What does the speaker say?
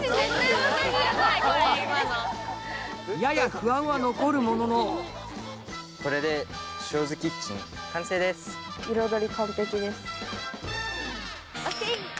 これ今の。やや不安は残るもののこれで「ＳＨＯ’Ｓキッチン」完成です！ＯＫ！